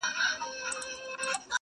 نعمتونه که یې هر څومره ډیریږي -